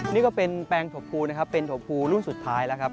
นี่ก็เป็นแปรงถดพูเป็นถดพูรุ่นสุดท้ายละครับ